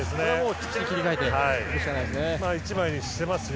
きっちり切り替えていくしかないですね。